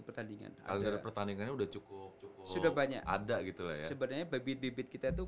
pertandingan agar pertandingannya sudah cukup cukup sudah banyak ada gitu ya sebenarnya bibit bibit kita tuh